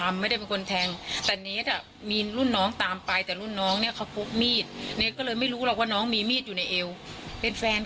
แม่ไม่ชอบแม่ไม่เคยพูดด้วยเลย